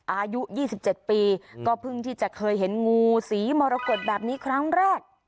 อายุ๒๗ปีก็เพิ่งที่จะเคยเห็นงูสีมรกฏแบบนี้ครั้งแรก